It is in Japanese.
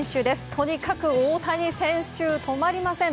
とにかく大谷選手止まりません。